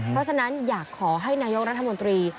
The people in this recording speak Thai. เพราะฉะนั้นอยากขอให้นายกรัฐมนตรี